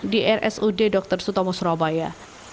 di rsud dr sutomo surabaya